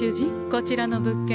こちらの物件